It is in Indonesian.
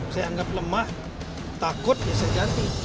saya anggap lemah takut ya saya ganti